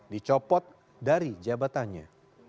dicopot dari jabatannya